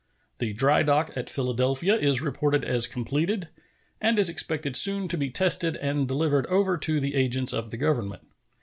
The dry dock at Philadelphia is reported as completed, and is expected soon to be tested and delivered over to the agents of the Government.